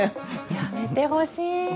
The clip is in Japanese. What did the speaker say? やめてほしい。